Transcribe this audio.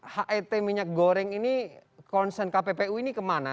het minyak goreng ini concern kppu ini kemana